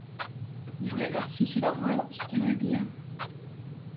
Bɣiɣ ad ssikleɣ ɣer Ustṛalya.